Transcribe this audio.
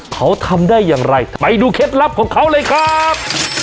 เขาทำได้อย่างไรไปดูเคล็ดลับของเขาเลยครับ